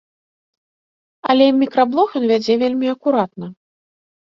Але мікраблог ён вядзе вельмі акуратна.